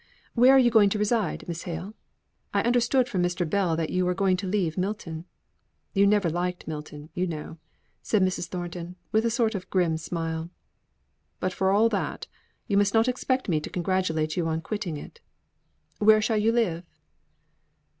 Where are you going to reside, Miss Hale? I understood from Mr. Bell that you were going to leave Milton. You never liked Milton, you know," said Mrs. Thornton, with a sort of grim smile; "but for all that, you must not expect me to congratulate you on quitting it. Where shall you live?"